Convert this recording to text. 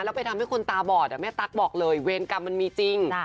แล้วไปทำให้คนตาบอดแม่ตั๊กบอกเลยเวรกรรมมันมีจริง